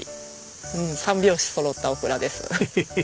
三拍子そろったオクラです。